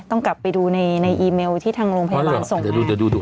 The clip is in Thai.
ต้องกลับไปดูในอีเมลที่ทางโรงพยาบาลส่งดู